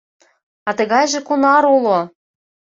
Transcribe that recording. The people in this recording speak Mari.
А тыгайже кунар уло?